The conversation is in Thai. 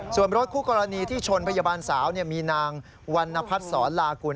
ส่วนรถคู่กรณีที่ชนพยาบาลสาวมีนางวันนพัฒนศรลากุล